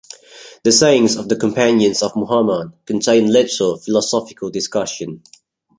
The sayings of the companions of Muhammad contained little philosophical discussion.